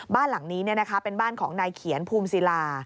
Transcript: บ้านหลังนี้เป็นบ้านของนายเขียนภูมิศิลา